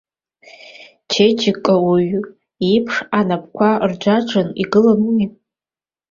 Чеиџьыкауаҩ иеиԥш анапқәа рџаџаӡа игылан уи.